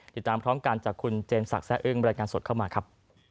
ติดตามพร้อมกันจากคุณเจนศักดิ์อึ้งบรรยายงานสดเข้ามาครับ